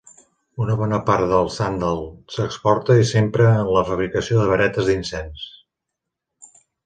Una bona part del sàndal s'exporta i s'empra en la fabricació de varetes d'incens.